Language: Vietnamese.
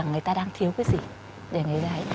người ta đang thiếu cái gì